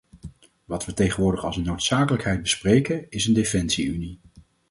Wat we tegenwoordig als een noodzakelijkheid bespreken, is een defensie-unie.